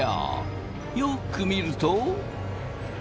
よく見ると。